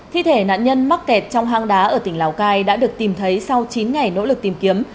thi thể nạn nhân mắc kẹt trong hang đá ở tỉnh lào cai đã được tìm thấy sau chín ngày nỗ lực tìm kiếm